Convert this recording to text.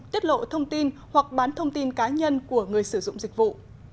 tiết lộ thông tin hoặc bán thông tin cá nhân của người sử dụng dịch vụ